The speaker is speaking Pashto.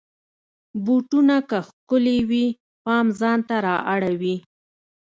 بوټونه که ښکلې وي، پام ځان ته را اړوي.